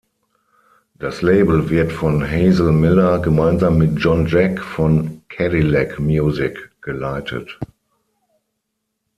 Das Label wird von Hazel Miller gemeinsam mit John Jack von "Cadillac Music" geleitet.